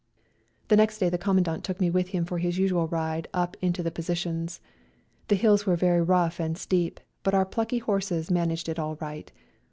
The next day the Commandant took me with him for his usual ride up into the positions. The hills were very rough and steep, but our plucky horses managed it all right.